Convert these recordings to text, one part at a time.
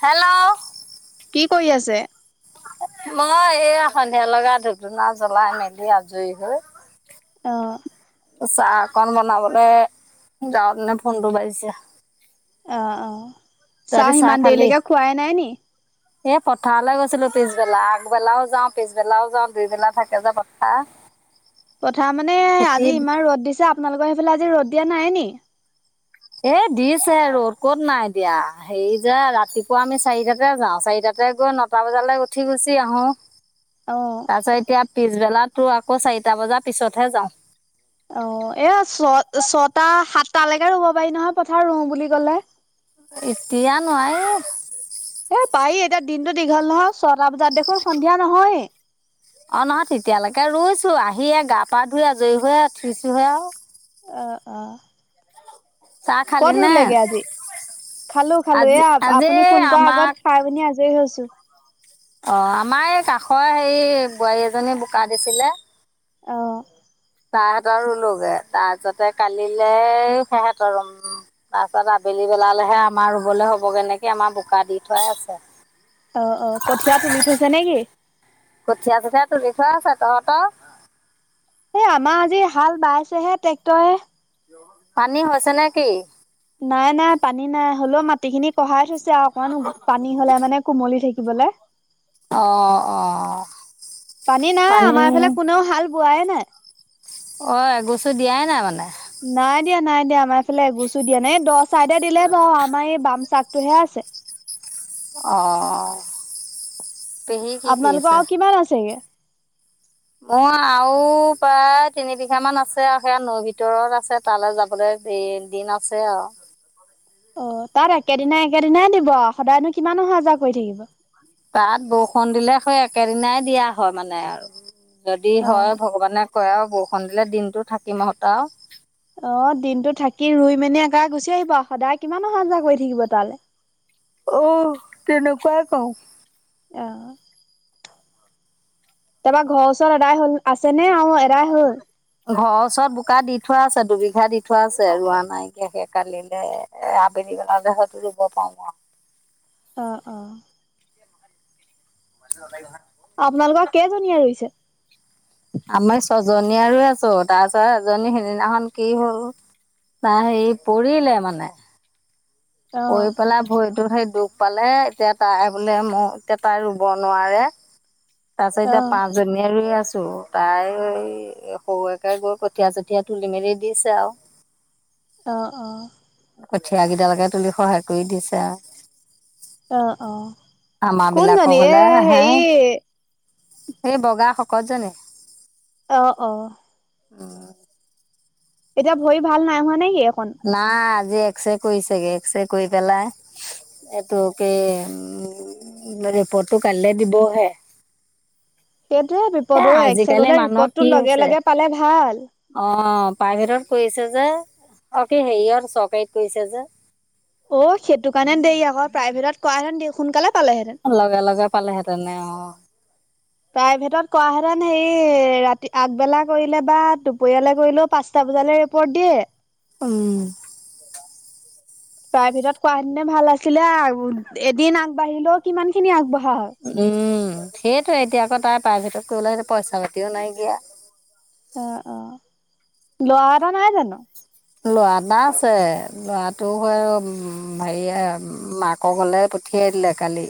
Hello, কি কৰি আছে? মই এই সন্ধিয়া লগা ধূপ-ধুনা জ্বলাই মেলি আজৰি হৈ। অ, চাহ অকন বনাবলৈ যাওঁ, তেনেতে ফোনটো বাজিছে। অ অ, তহঁতি চাহ ইমান খালি দেৰিলৈকে খুৱাই নাই নি? এই পথাৰলৈ গৈছিলোঁ পিছবেলা। আগবেলাও যাওঁ, পিছবেলাও যাওঁ। দুইবেলা থাকে যে পথাৰ। পথাৰ মানে, খেতি আজি ইমান ৰ'দ দিছে। আপোনালোকৰ সেইফালে আজি ৰ'দ দিয়া নাই নি? এ দিছে ৰ'দ ক'ত নাই দিয়া। হেৰি যে, ৰাতিপুৱা আমি চাৰিটাতে যাওঁ, চাৰিটাতে তাতে গৈ নটা বজালে উঠি গুচি আহোঁ। অ, তাৰপিছত এতিয়া পিছবেলা তো আকৌ চাৰিটা বজাৰ পিছতহে যাওঁ। অ, এয়া ছ-ছটা, সাতটালৈকে ৰুব পাৰি নহয় পথাৰ ৰুওঁ বুলি কলে। এতিয়া নোৱাৰে। এ, পাৰি। এতিয়া দিনতটো দীঘল নহয়, ছটা বজাত দেখোন সন্ধিয়া নহয় এই। অ, নহয় তেতিয়ালৈকে ৰুইছো। আহি এই গা-পা ধুই আজৰি হৈ উঠিছোঁহে আৰু। অ অ, চাহ ক'ত খালি নে ৰুলেগে আজি? খালোঁ, খালোঁ। আজি এয়া আজি আপুনি ফোন কৰা আমাক আগত খাই পিনে আজৰি হৈছোঁ। অ, আমাৰ এই কাষৰ হেৰি বোৱাৰী এজনী বোকা দিছিলে। অঁ, তাহাতৰ ৰুলোগে। তাৰপিছতে কালিলে সেহতৰ ৰুম তাৰপিছত আবেলি বেলালেহে আমাৰ ৰুবলৈ হ'বগে নেকি, আমাৰ বোকা দি থোৱাই আছে। অ অ, কঠীয়া তুলি থৈছে নে কি? কঠীয়া-চঠিয়া তুলি থোৱা আছে। তহঁতৰ? এ আমাৰ আজি হাল বাইছেহে ট্ৰেক্টৰে। পানী হৈছে নে কি? নাই, নাই, পানী নাই। হ'লেও মাটি খিনি কঢ়াই থৈছে আৰু। কিয়নো পানী হ'লে মানে কুমলি থাকিবলে। অঁ অঁ, পানী নাই। আমাৰ এইফালে কোনেও হাল বোৱাই নাই। অ, এগচো দিয়াই নাই মানে। নাই দিয়া, নাই দিয়া। আমাৰ এইফালে এগোচো দিয়া নাই। এই দ' চাইদে দিলে বাৰু, আমাৰ এই বামচা টোহে আছে। অঁহ। আপোনালোকৰ আৰু কিমান আছেগে? মোৰ আৰু প্ৰায় তিনি বিঘা মান আছে আৰু। সেয়া নৈ ভিতৰত আছে। তালৈ যাবলৈ দি-দিন আছে আৰু। অ, তাত একেদিনাই একেদিনাই দিব আৰু সদায়নো কিমান অহা-যোৱা কৰি থাকিব। তাত বৰষুণ দিলে সেই একেদিনাই দিয়া হয় মানে আৰু। যদি অ হয়, ভগৱানে কয় আৰু বৰষুণ দিলে দিনটো থাকিম আৰু। অ, দিনতো থাকি ৰুই-মেলি এনকা গুচি আহিব আৰু। সদায় কিমান অহা-যোৱা কৰি থাকিব তালে। অহ, তেনেকুৱাই কৰোঁ। অঁহ। তাৰপৰা ঘৰৰ ওচৰত এদাই হ'ল, আছে নে আৰু এদাই হ'ল? ঘৰৰ ওচৰত বোকা দি থোৱা আছে দুবিঘা দি থোৱা আছে ৰোৱা নাই, কিয় সে কালিলে- এ আবেলি বেলাতে হয়তো ৰুব পাওঁ আৰু। অঁহ, অঁহ। [unintelligible] আপোনালোকৰ কেইজনীয়ে ৰুইছে? আমাৰ ছয়জনী ৰুই আছো, তাৰপিছত এজনী সিদিনাখন কি হ'ল! তাই হেৰি পৰিলে মানে, - অ পৰি পেলাই ভৰিটোত সেই দুখ পালে। এতিয়া তাই বোলে ম এতিয়া তাই ৰুব নোৱাৰে। তাৰ পাছত অ', এতিয়া পাঁচ- জনীয়ে ৰুই আছো। তাই সৰু একে গৈ কঠীয়া- চঠীয়া তুলি মেলি দিছে আৰু। অহ, অহ। কঠিয়া কেইডালকে তুলি সহায় কৰি দিছে আৰু। অ', অ', আমাৰ বিলাকৰ কোনজনী এ হ'লে আহে। হেৰি সেই বগা শকত জনি? অঁহ -অঁহ। উম। এতিয়া ভৰি ভাল নাই হোৱা নাই নেকি এখন? নাই আজি এক্স ৰে কৰিছেগে, এক্স ৰে কৰি পেলাই- এইটো কি! উম, ৰিপৰ্টটো কাইলে দিবহে। সেইটোৱে এ বিপদ! অঁ, এক আজিকালি চেকেতে ৰিপদতো লগে লগে পালে ভাল। অঁ, প্ৰাইভেটত কৰিছে যে। অঁ, কি! হেৰিত চৰকাৰীত কৈৰিছে যে। অঁ, সেইটো কাৰণে দেই আকৌ। প্ৰাইভেটত কৰা হেঁতেন সোনকালে পালেহেঁতেন। লগে লগে পালেহেঁতেনে অঁহ। প্ৰাইভেটত কৰা হেঁতেন হেৰি ৰাতি -আগবেলা কৰিলে বা দুপৰয়ালৈ কৰিলেও পাঁচ- টা বজাৰলে ৰিপৰ্ট দিয়ে? উমঁ। [unintelligible] প্ৰাইভেটত কৰাহেতিনে ভাল আছিলে আৰু, এদিন আগবাঢ়িলেও কিমান খিনি আগবঢ়া হয়! উম, সেইটোৱে এতিয়া আকৌ তাই প্ৰাইভেটত কৰিবলে পইচা পাতিও নাইকিয়া। অঁ -অঁ, ল'ৰা এটা নাই জানো? ল'ৰা এটা আছে, ল'ৰাটো হয় আৰু হেৰি মাক- মাকৰ ঘৰলে পঠিয়াই দিলে কালি,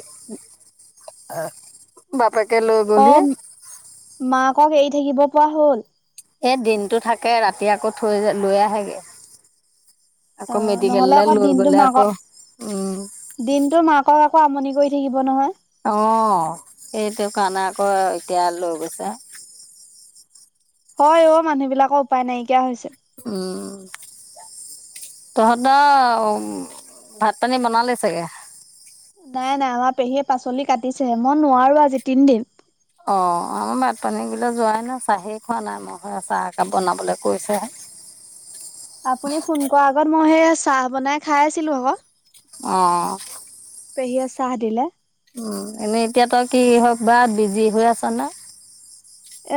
বাপেকে লৈ অ', গ'লহি। মাকক এৰি থাকিব পৰা হ'ল? এ দিনতটো থাকে ৰাতি আকৌ থৈ -লৈ আহেগে। আকৌ অহ, নহ'লে আকৌ দিনটো মাকৰ - উমঁ। দিনতটো মাকক আকৌ আমনি কৰি থাকিব নহয়। অঁহ, সেইটো কাৰণে আকৌ এতিয়া লৈ গৈছে। হয় অঁ, মানুহ বিলাকৰ উপায় নাইকিয়া হৈছে। উম। তহঁতৰ ভাত -পানী বনালে চাগে। নাই -নাই, আমাৰ পেহীয়ে পাচলি কাটিছেহে, মই নোৱাৰো আজি তিনদিন। অঁ, আমাৰ ভাত -পানী বিলাক যোৱাই নাই, চাহেই খোৱা নাই। মই সেই চাহ একাপ বনাবলৈ কৈছেহে। আপুনি ফোন কৰা আগত মই সেই চাহ বনাই খাই আছিলো আকৌ। অঁ পেহীয়ে চাহ দিলে। উম এনেই এতিয়া তই কি হওঁক বা বিজি হৈ আছ নে?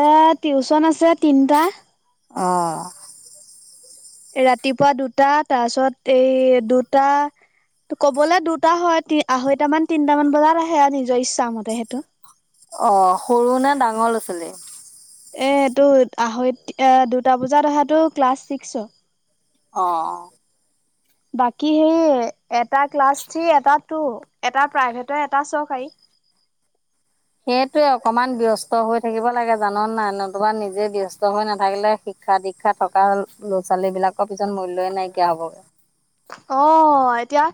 এ টিউচন আছে তিনটা। অ' ৰাতিপুৱা দুটা তাৰ পিছত এই দুটা। ত ক'বলৈ দুটা হয় আঢ়ৈটামান তিনটামান বজাত আহে আৰু নিজৰ ইচ্ছা মতে সেইটো। অঁ সৰু নে ডাঙৰ ল'ৰা ছোৱালী? এ এইটো আঢ়ৈ এ দুটা বজাত অহাতটো ক্লাছ ছিক্সৰ। অঁ অঁ। বাকী সেই এটা ক্লাছ থি এটাত টো এটা প্ৰাইভেটৰ এটা চৰকাৰী। সেইটোৱে অকমান ব্যস্ত হৈ থাকিব লাগে জান নাই নতুবা নিজে ব্যস্ত হৈ নাথাকিলে। শিক্ষা দীক্ষা থকা ল'ৰা ছোৱালী বিলাকৰ পিছত মূল্যয়ই নাইকিয়া হবগৈ। অঁ এতিয়া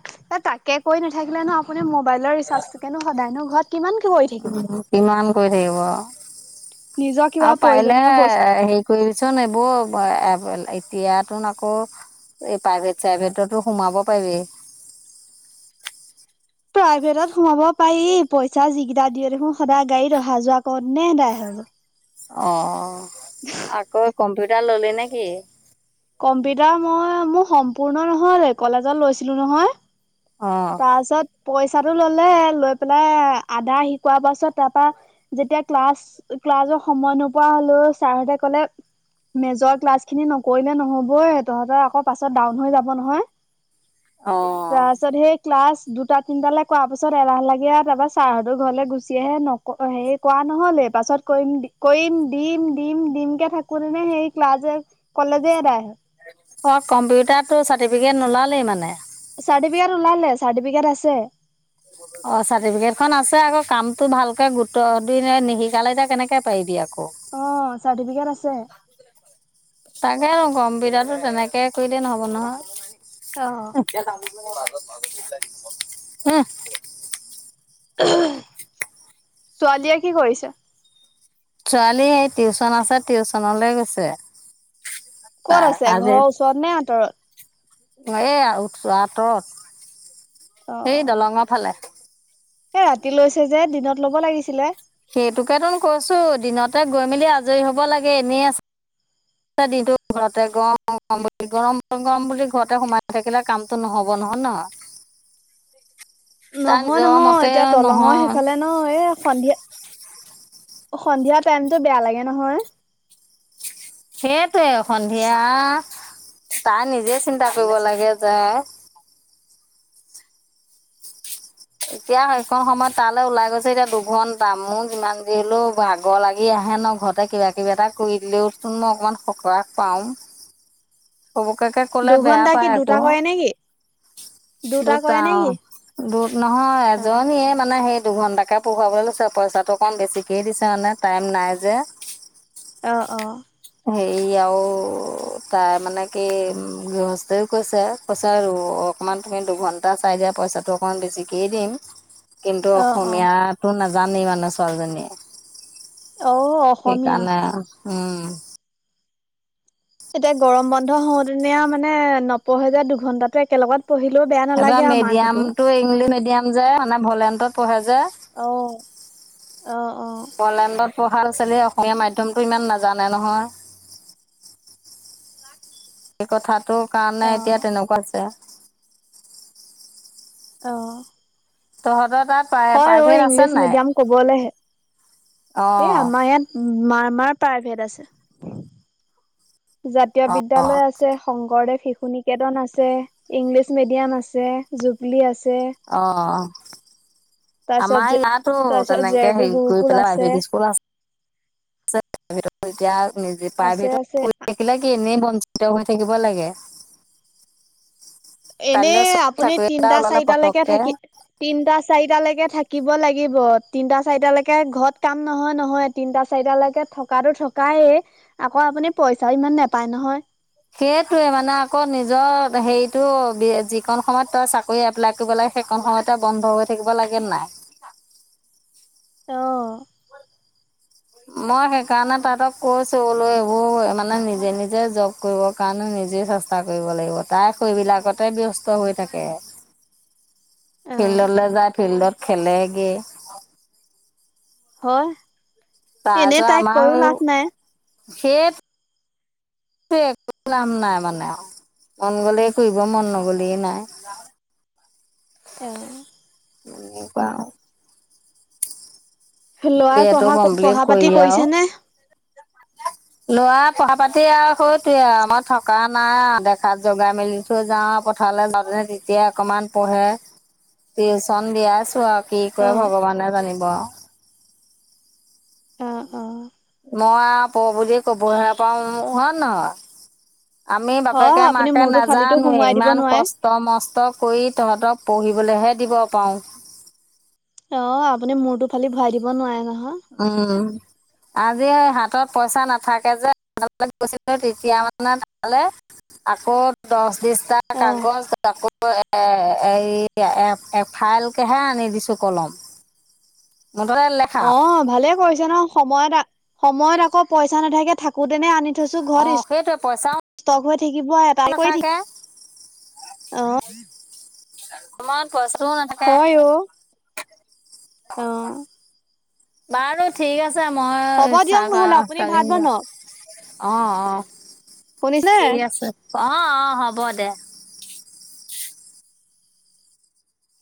তাকে কৈ নাথাকিলে ন আপুনি মোবাইলৰ ৰিচাৰ্জটোকেনো সদায়নো ঘৰত কিমান কি কৰি থাকিব। কিমান কৰি থাকিব নিজৰ কিবা আৰু পাৰিলে প্ৰয়োজনীয় বস্তু হেৰি কৰিবিচোন এইবোৰ এতিয়াতো নকৰ' এই প্ৰাইভেট চাইভেটতো সোমাব পাৰিবি। প্ৰাইভেটত সোমাব পাৰি পইচা যিকেইটা দিয়ে দেখোন সদায় গাড়ীত অহা যোৱা কৰোতে এদায় হ'ব। অঁ আকৌ কম্পিউটাৰ ললি নেকি? কম্পিউটাৰ মই মোৰ সম্পূৰ্ণ নহ'লে কলেজত লৈছিলো নহয়। অঁ তাৰ পিছত পইচাটো ল'লে লৈ পেলাই আধা শিকোৱাৰ পাছত তাৰ পৰা। যেতিয়া ক্লাছ ক্লাছৰ সময় নোপোৱা হ'লো ছাৰ হতে ক'লে মেজৰ ক্লাছ খিনি ন কৰিলে নহ'ব‌ই তহঁতৰ আকৌ পাছত ডাউন হৈ যাব নহয় অঁ তাৰপাছত সেই ক্লাছ দুটা তিনিটালৈ কৰা পাছত এলাহ লাগে তাৰপা চাৰহতো ঘৰলৈ গুচি আহে ন হেৰি কৰা নহ'লে পাছত কৰিম কৰিম দিম দিম দিমকৈ থাকোঁতেনে সেই ক্লাছ যে কলেজে এদায় হ'ল। অঁ কম্পিউটা তোৰ চাৰ্টিফিকেট নোলালেই মানে? চাৰ্টিফিকেট ওলালে চাৰ্টিফিকেট আছে। [unintelligible] অঁ চাৰ্টিফিকেটখন আছে আকৌ কামটো ভালকৈ গুৰুতৰ দি নিশিকালে এতিয়া কেনেকৈ পাৰিবি আকৌ। অঁ চাৰ্টিফিকেট আছে। তাকেতো কম্পিউটাৰতো তেনেকে কৰিলে নহব নহয়। অঁ [unintelligible] ছোৱালীয়ে কি কৰিছে? ছোৱালী এ টিউচন আছে টিউচনলৈ গৈছে। ক'ত তাই আছে ঘৰৰ ওচৰত নে আঁতৰত? এ উঠ আঁতৰত এই দলঙৰ ফালে। এ ৰাতি লৈছে যে দিনত ল'ব লাগিছিলে। সেইতোকেটো কৈছো দিনতে গৈ মেলি আজৰি হ'ব লাগে এনেই আছে। দিনটো ঘৰতে গৰম গৰম বুলি গৰম গৰম বুলি ঘৰতে সোমাই থাকিলে কামটো নহ'ব নহয় নহ। তাৰ নহয় নিজৰ -নহয়, মতে এতিয়া দলঙৰ নহয় সেইফালে! ন এই সন্ধিয়া, সন্ধিয়া টাইমতটো বেয়া লাগে নহয়। সেইটোৱে সন্ধিয়া তাই নিজে চিন্তা কৰিব লাগে যে! এতিয়া সেইখন সময়ত তালৈ ওলাই গৈছে এতিয়া দুঘণ্টা মোৰ যিমান দেৰিলৈ ভাগৰ লাগি আহে ন। ঘৰতে কিবা কিবি এটা কৰি দিলেওচোন মই অকণমান সকাহ পাওঁ। চবকাকে ক'লে বেয়া দুঘন্টা পায় কি দুটা আকৌ কৰে নেকি? দুটা কৰে নে কি? উম্ নহয় এজনীয়ে মানে সেই দুঘণ্টাকৈ পঢ়োৱাবলৈ লৈছে পইচাটো অকণ বেছিকেই দিছে মানে। টাইম নাই যে। অ অ। হেৰি আৰু তাই মানে কি উ গৃহস্থইও কৈছে। কৈছে আৰু অকণমান তুমি দুঘণ্টা চাই দিয়া, পইচাটো অকণমান বেছিকেই দিম। কিন্তু অ', অ', অসমীয়াটো নাজানেই মানে ছোৱালীজনীয়ে। অ', অসমীয়া। সেইকাৰণে উম। এতিয়া গৰম বন্ধ হলহেঁতেন মানে নপঢ়ে যে দুঘন্টাটো একেলগত। পঢ়িলেও বেয়া। এইবাৰ নালাগে আৰু মাকহঁতো। মিডিয়ামতটো ইংলিছ মিডিয়াম যে, মানে ভলেণ্টত পঢ়ে যে। অ, অ অ বলেণ্ডত পঢ়া ল ছোৱালী এ অসমীয়া মাধ্য়মতটো ইমান নাজানে নহয়। সেই কথাটোৰ কাৰণে এতিয়া অ', তেনেকুৱা আছে। অ তহঁতৰ তাত! প্ৰায় হয় অ প্ৰাইভেট আছে ইংলিছ নাই মিডিয়াম কবলৈহে এ অঁ আমাৰ ইয়াত! মাৰ মাৰ প্ৰাইভেট আছে। জাতীয় অঁ বিদ্যালয় আছে। শংকৰদেৱ শিশু নিকেতন আছে ইংলিছ মিডিয়াম আছে জুবলি আছে। অ অ তাৰপিছত আমাৰ যে ইয়াতো তাৰপিছত জে তেনেকে বি হেৰি কৰি গুৰুকুল পেলাই আছে প্ৰাইভেট স্কুল আছে। এতিয়া নিজে আছে প্ৰাইভেটত। আছে সিবিলাক কি এনেই বঞ্চিত হৈ থাকিব লাগে। এনে কাইলৈ চৰকাৰী আপুনি চাকৰি এটা তিনটা ওলালে চাৰিটালৈকে পতককে থাকি! তিনটা চাৰিটালৈকে থাকিব লাগিব তিনটা চাৰিটালৈকে ঘৰত কাম নহয় নহয়। তিনটা চাৰিটালৈকে থকাতো থকায়ে আকৌ আপুনি পইচাও ইমান নেপায় নহয়। সেইটোৱে মানে আকৌ নিজৰ হেৰিতটো যিকণ সময়ত তই চা! চাকৰি এপ্লাই কৰিব লাগে সেই কণ সময় তে বন্ধ হৈ থাকিব লাগে নে নাই? অ মই সেইকাৰণে তাঁতক কৈছো বোলো এইবোৰ মানে নিজে নিজে যব! কৰিবৰ কাৰণেও নিজে চেষ্টা কৰিব লাগিব তাই আকৌ সৈবিলাকতে ব্যস্ত হৈ থাকে। । [inaudible] ফিল্ডলৈ যায় ফিল্ডত খেলেগে। হয় এনে তাইক কৈও লাভ নাই। সেয়ে! একো কাম নাই মানে মন গলে কৰিব মন নগলে নাই। অ এনেকুৱা আৰু। বি ল'ৰাই এটো পঢ়া কমপ্লিট পঢ়া কৰি পাতি আৰু কৰিছে নে? ল'ৰা পঢ়া পাতি আৰু সৌটোৱে আৰু আমাৰ থকা নাই আৰু দেখাত জগাই মেলি। থৈ যাওঁ আৰু পথাৰলৈ যাওঁতেনে তেতিয়াই অকমান পঢ়ে টিউচন দিয়াইছো আৰু। কি অ কৰে ভগৱানে জানিব আৰু। অ অ। মই আৰু পঢ় বুলি ক'বহে পাৰো হয় নহয়। আমি হয় বাপেকে আপুনি মাকে মূৰটো ফালিটো নেজানোৱেই সোমোৱাই দিব ইমান কচ নোৱাৰে কষ্ট মষ্ট কৰি তহঁতক পঢ়িবলৈহে দিব পাৰোঁ। অ', আপুনি মূৰতো ফালি ভৰাই দিব নোৱাৰে নহয়। উম। আজি এ হাতত পইচা নাথাকে যে [unintelligible] গৈছিলোঁ তেতিয়া মানে তালে আকৌ দছ দিস্তা অ কাগজ আকৌ [unintelligible] এ এই এ এফাইলকেহে আনি দিছো কলম। মুঠতে লে অ', ভালেই কৰিছে ন সময়ত- সময়ত আকৌ পইচা নাথাকে থাকোতেনে আনি থৈছো অঁ ঘৰত সেইটোৱে পইচাও ষ্টক হৈ থাকিব নাথাকে [unintelligible] অ'। সময়ত পইচাটো নেথা হয় অ'। অ বাৰু ঠিক আ ছে হ'ব মই দিয়ক চাহ নহ'লে আপুনি তাহ ভাত বনাওক [unintelligible] অ', অ', শুনিছে ঠিক আছে অ', অ', হ'ব দে।